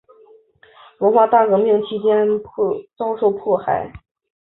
文化大革命期间遭受迫害。